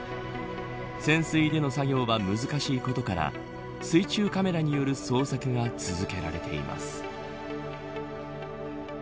潜水での作業が難しいことから水中カメラによる捜索が続けられています。